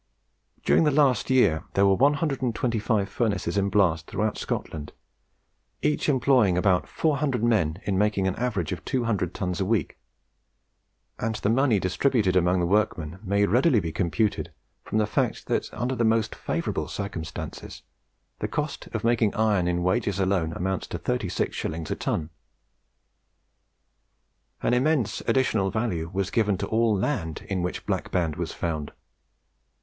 During the last year there were 125 furnaces in blast throughout Scotland, each employing about 400 men in making an average of 200 tons a week; and the money distributed amongst the workmen may readily be computed from the fact that, under the most favourable circumstances, the cost of making iron in wages alone amounts to 36s. a ton. An immense additional value was given to all land in which the Black Band was found.